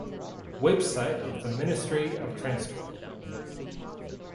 Website of the Ministry of Transport